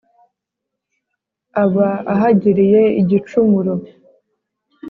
Aba ahagiriye igicumuro.